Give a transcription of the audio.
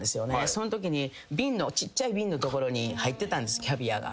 そんときにちっちゃい瓶のところに入ってたんですキャビアが。